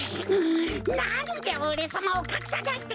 なんでおれさまをかくさないってか！